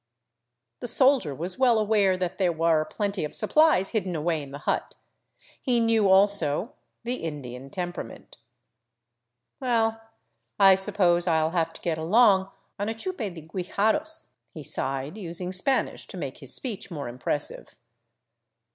The soldier was well aware that there were plenty of supplies hid den away in the hut. He knew, also, the Indian temperament. " Well, I suppose I '11 have to get along on a chupe de guijarros," he sighed, using Spanish to make his speech more impressive.